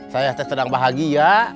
saya sedang bahagia